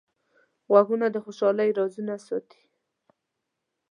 غوږونه د خوشحالۍ رازونه ساتي